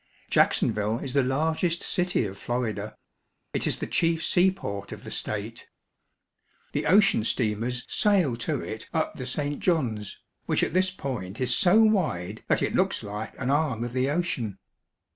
Jacksonville is the largest city of Florida. It is the chief seaport of the state. The Live Oaks and Spanish Moss. ocean steamers sail to it up the St. Johns, which at this point is so wide that it looks like an arm of the ocean.